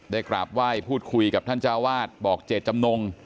กราบไหว้พูดคุยกับท่านเจ้าวาดบอกเจตจำนง